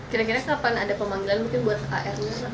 kira kira kapan ada pemanggilan mungkin buat ar